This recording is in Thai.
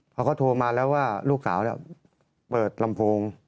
พอเขาโทรมาแล้วว่าลูกสาวเปิดลำโพง